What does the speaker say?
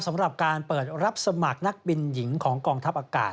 สำหรับการเปิดรับสมัครนักบินหญิงของกองทัพอากาศ